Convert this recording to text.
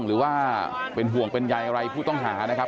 หรือว่าเป็นห่วงเป็นใยอะไรผู้ต้องหานะครับ